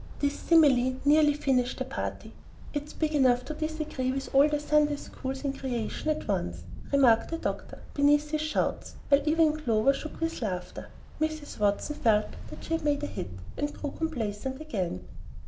This simile nearly "finished" the party. "It's big enough to disagree with all the Sunday schools in creation at once," remarked the doctor, between his shouts, while even Clover shook with laughter. Mrs. Watson felt that she had made a hit, and grew complacent again.